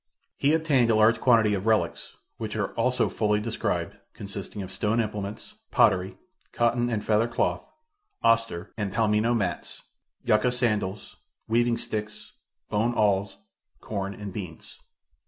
He obtained a large quantity of relics, which are also fully described, consisting of stone implements, pottery, cotton and feather cloth, osier and palmillo mats, yucca sandals, weaving sticks, bone awls, corn and beans.